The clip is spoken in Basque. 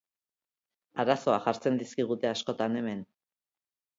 Arazoak jartzen dizkigute askotan hemen.